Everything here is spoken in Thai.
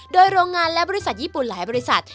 โดยโรงงานและบริษัทญี่ปุ่นหลายบริษัท